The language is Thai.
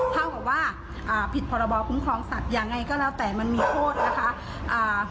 เท่ากับว่าอ่าผิดพรบคุ้มครองสัตว์ยังไงก็แล้วแต่มันมีโทษนะคะอ่า